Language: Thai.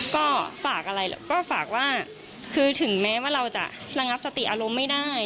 ก็ฝากว่าถึงแม้ว่าเราจะระงับสติอารมณ์ไม่ได้